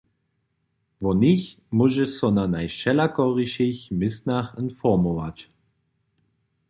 Wo nich móžeš so na najwšelakorišich městnach informować.